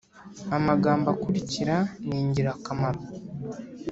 amagambo akurikira ni ingirakamaro